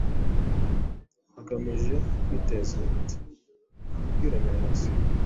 bagamije kwiteza imbere, nta kwiremereza.”